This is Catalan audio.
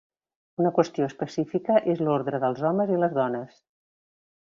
Una qüestió específica és l'ordre dels homes i les dones.